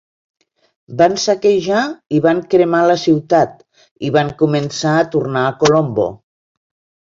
Van saquejar i van cremar la ciutat, i van començar a tornar a Colombo.